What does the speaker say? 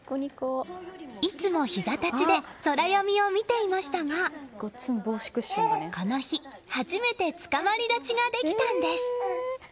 いつも、ひざ立ちでソラよみを見ていましたがこの日、初めてつかまり立ちができたんです！